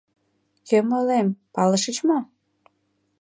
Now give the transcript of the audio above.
Кӧм ойлем, палышыч мо?